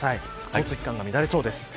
交通機関が乱れそうです。